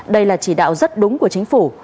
đây là chỉ đạo rất đúng của chính phủ